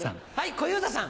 小遊三さん。